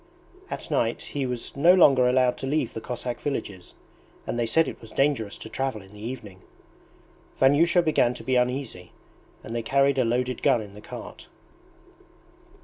At night he was no longer allowed to leave the Cossack villages, and they said it was dangerous to travel in the evening. Vanyusha began to be uneasy, and they carried a loaded gun in the cart.